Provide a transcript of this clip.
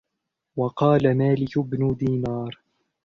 وَقَالَ مَالِكُ بْنُ دِينَارٍ